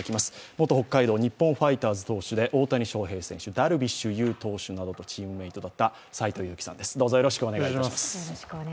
元北海道日本ハムファイターズ投手で大谷翔平選手、ダルビッシュ有投手などとチームメイトだった斎藤佑樹さんです。